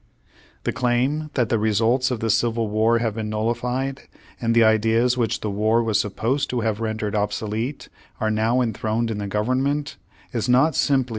^ The claim that the results of the Civil War have been nullified, and the ideas which the war was supposed to have rendered obsolete, are now enthroned in the Government, is not simply the = Code of Laws of South Carolina, 1912.